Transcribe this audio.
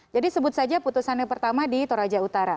jadi sebut saja putusan yang pertama di toraja utara